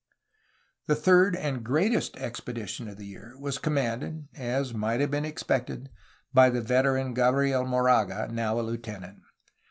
The third and greatest expedition of the year was com manded, as might have been expected, by the veteran Gabriel Moraga, now a Heutenant.